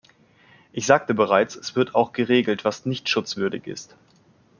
Ich sagte bereits, es wird auch geregelt, was nicht schutzwürdig ist.